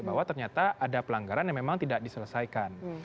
bahwa ternyata ada pelanggaran yang memang tidak diselesaikan